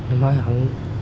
em hối hận